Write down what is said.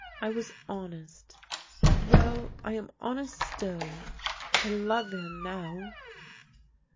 I was honest. Well, I am honest still. I love him now.''